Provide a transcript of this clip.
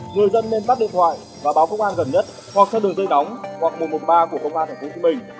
người dân nên tắt điện thoại và báo công an gần nhất hoặc theo đường dây nóng hoặc một trăm một mươi ba của công an tp hcm